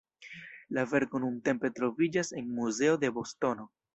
La verko nuntempe troviĝas en muzeo de Bostono.